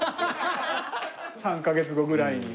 ３カ月後ぐらいに。